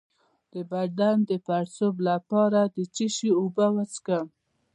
د بدن د پړسوب لپاره د څه شي اوبه وڅښم؟